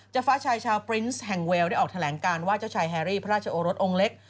ฟ้าชายชาวปรินส์แห่งเวลได้ออกแถลงการว่าเจ้าชายแฮรี่พระราชโอรสองค์เล็ก